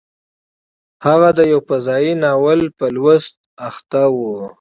هغه د یو فضايي ناول په لوستلو بوخت و